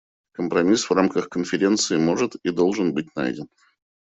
Компромисс в рамках Конференции может и должен быть найден.